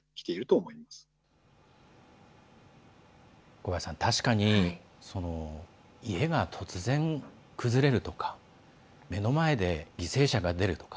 小林さん、確かに家が突然、崩れるとか目の前で、犠牲者が出るとか。